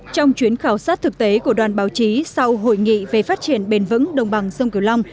trong chuyến khảo sát thực tế của đoàn báo chí sau hội nghị về phát triển bền vững đồng bằng sông kiều long